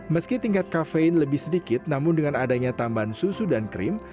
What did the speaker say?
meski tingkat kafein lebih sedikit namun dengan adanya tambahan susu dan krim